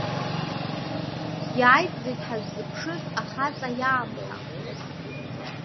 Иааит зегь ҳаззыԥшыз ахаҵа иаамҭа!